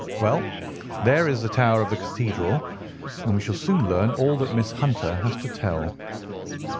Well, there is the tower of the cathedral, and we shall soon learn all that Miss Hunter has to tell."